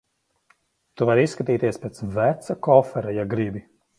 Tu vari izskatīties pēc veca kofera, ja gribi.